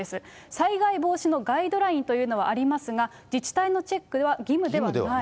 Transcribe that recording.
災害防止のガイドラインというのはありますが、自治体のチェックは義務ではない。